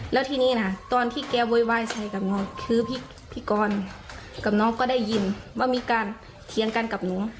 แล้วทีนี้นะตอนที่แกโวยวายใส่กับน้องคือพี่กรกับน้องก็ได้ยินว่ามีการเถียงกันกับหนู